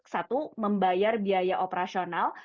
satu membayar biaya operasional